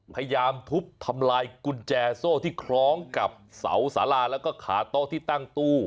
พยายามทุบทำลายกุญแจโซ่ที่คล้องกับเสาสาราแล้วก็ขาโต๊ะที่ตั้งตู้